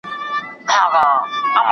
تور لګول باور کموي.